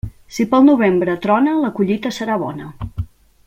Si pel novembre trona, la collita serà bona.